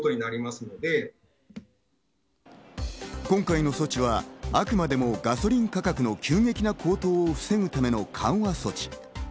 今回の措置は、あくまでもガソリン価格の急激な高騰を防ぐための緩和措置。